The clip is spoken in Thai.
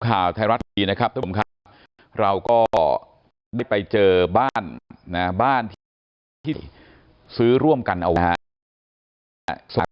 มาไทยรัฐดีนะครับทุกคนค่ะเราก็ได้ไปเจอบ้านที่ซื้อร่วมกันเอาไว้นะครับ